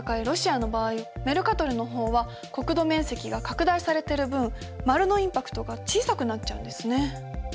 ロシアの場合メルカトルの方は国土面積が拡大されてる分丸のインパクトが小さくなっちゃうんですね。